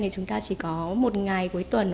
chúng ta chỉ có một ngày cuối tuần